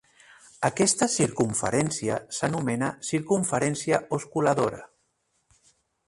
Aquesta circumferència s'anomena circumferència osculadora.